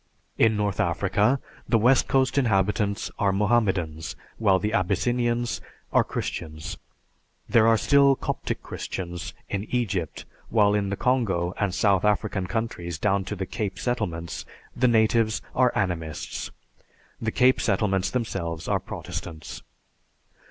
In North Africa, the west coast inhabitants are Mohammedans, while the Abyssinians are Christians. There are some Coptic Christians, in Egypt, while in the Congo and South African countries down to the Cape Settlements, the natives are Animists. The Cape Settlements themselves are Protestants.